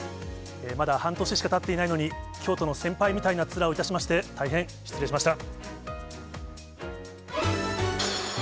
まだ半年しかたっていないのに、京都の先輩みたいな面をいたしまして、大変失礼しました。